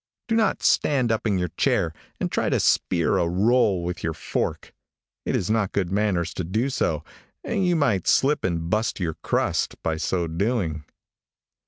Do not stand up in your chair and try to spear a roll with your fork. It is not good manners to do so, and you might slip and bust your crust, by so doing.